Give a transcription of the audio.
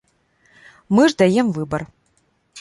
Мы ж даем выбар.